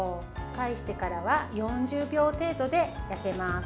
返してからは４０秒程度で焼けます。